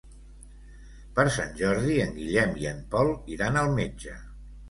Per Sant Jordi en Guillem i en Pol iran al metge.